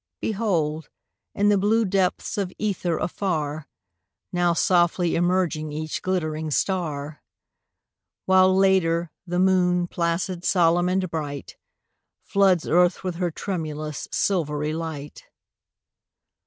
Behold, in the blue depths of ether afar, Now softly emerging each glittering star; While, later, the moon, placid, solemn and bright, Floods earth with her tremulous, silvery light.